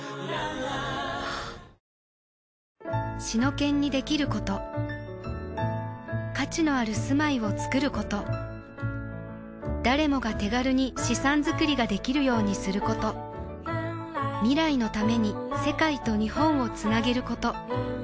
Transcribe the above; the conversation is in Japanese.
シノケンにできること価値のある住まいをつくること誰もが手軽に資産づくりができるようにすること未来のために世界と日本をつなげること